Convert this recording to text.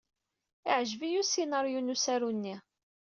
Iɛjeb-iyi usinaṛyu n usaru-nni.